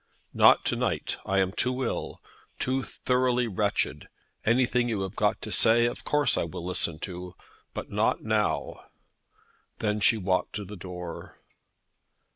"Not to night. I am too ill, too thoroughly wretched. Anything you have got to say of course I will listen to, but not now." Then she walked to the door.